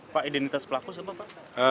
pak identitas pelaku siapa pak